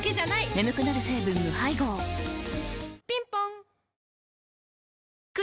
眠くなる成分無配合ぴんぽん